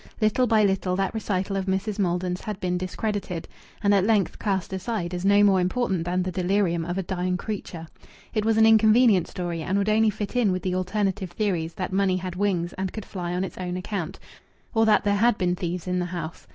Little by little that recital of Mrs. Maldon's had been discredited, and at length cast aside as no more important than the delirium of a dying creature; it was an inconvenient story, and would only fit in with the alternative theories that money had wings and could fly on its own account, or that there had been thieves in the house.